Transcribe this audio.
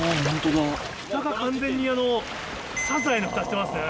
ふたが完全にサザエのふたしてますね。